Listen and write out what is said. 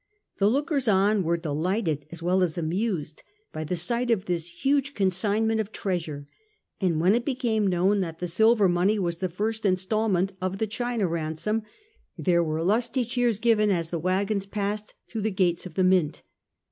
The lookers on were delighted, as well as amused, by the sight of this huge consignment of treasure ; and when it became known that the silver money was the first instalment of the China ransom, there were lusty cheers given as the waggons passed through the gates of the Mint.